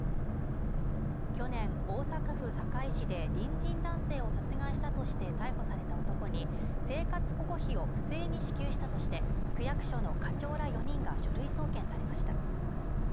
去年、大阪府堺市で隣人男性を殺害したとして逮捕された男に生活保護費を不正に支給したとして、区役所の課長ら４人が書類送検されました。